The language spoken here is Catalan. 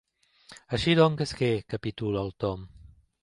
Així doncs què —capitula el Tom—.